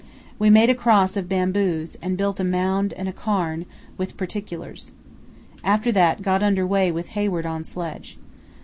We made a cross of bamboos, and built a mound and cairn, with particulars. After that got under way with Hayward on sledge.